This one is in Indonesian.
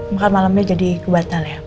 maka malamnya jadi kebatal ya